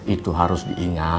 itu harus diingat min